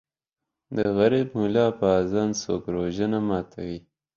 د غریب مولا په اذان څوک روژه نه ماتوي